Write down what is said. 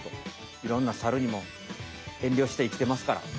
いろんなサルにもえんりょしていきてますから。